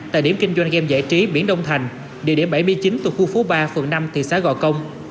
tại điểm kinh doanh game giải trí biển đông thành địa điểm bảy mươi chín thuộc khu phố ba phường năm thị xã gò công